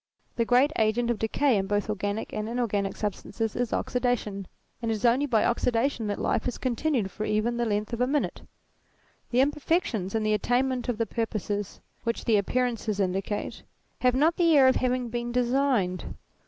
The great agent of decay in both organic and inorganic substances is oxidation, and it is only by oxidation that life is continued for even the length of a minute. The imperfections in the attainment of the purposes which the appearances indicate, have not the air of having been designed.